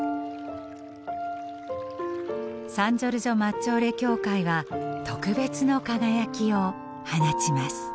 サン・ジョルジョ・マッジョーレ教会は特別の輝きを放ちます。